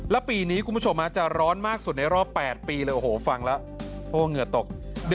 และปีนี้คุณผู้ชมจะร้อนมากสุดในรอบ๘ปีฟังแล้วเหงื่อตก